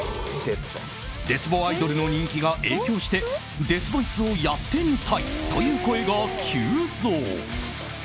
デスボアイドルの人気が影響してデスボイスをやってみたいという声が急増。